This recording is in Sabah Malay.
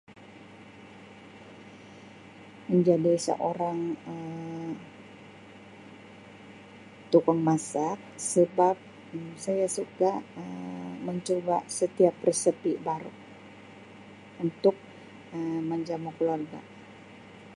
"Menjadi seorang Um tukang masak sebab Um saya suka Um mencuba ""secret"" resepi baru untuk Um menjamu keluarga."